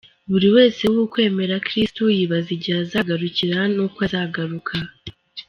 Buri wese w’ukwemera Kristu yibaza igihe azagarukira n’uko azagaruka.